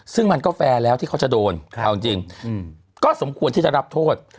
ซึ่งมันก็แฟร์แล้วที่เขาจะโดนเอาจริงก็สมควรที่จะรับโทษ